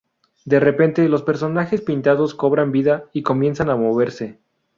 De repente, los personajes pintados cobran vida y comienzan a moverse.